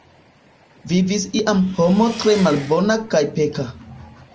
Vivis iam homo tre malbona kaj peka.